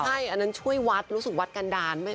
ใช่อันนั้นช่วยวัดรู้สึกวัดกันดาล